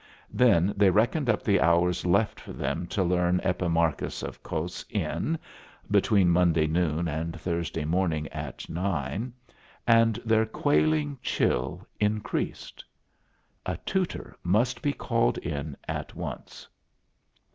Then they reckoned up the hours left for them to learn Epicharmos of Kos in, between Monday noon and Thursday morning at nine, and their quailing chill increased. A tutor must be called in at once.